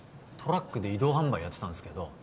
トラックで移動販売やってたんすけど